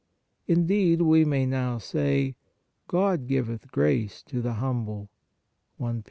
Indeed, we may now say, " God giveth grace to the humble " (I Pet.